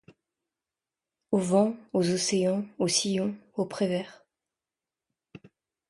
Aux vents, aux océans, aux sillons, aux prés verts